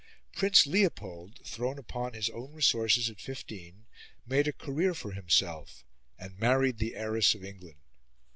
Prince Leopold, thrown upon his own resources at fifteen, made a career for himself and married the heiress of England.